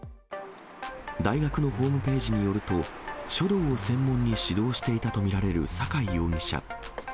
大学のホームページによると、書道を専門に指導していたと見られる坂井容疑者。